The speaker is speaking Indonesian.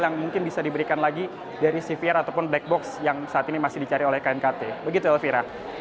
yang mungkin bisa diberikan lagi dari cvr ataupun black box yang saat ini masih dicari oleh knkt begitu elvira